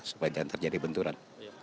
supaya jangan terjadi benturan